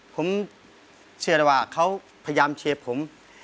ผมเชื่อได้ว่าเขาพยายามเชียร์ผม